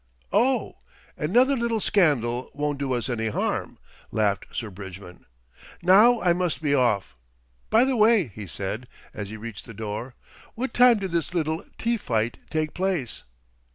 "Oh! another little scandal won't do us any harm," laughed Sir Bridgman. "Now I must be off. By the way," he said, as he reached the door, "what time did this little tea fight take place?"